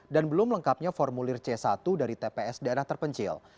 dan belum lengkapnya formulir c satu dari tps daerah terpencil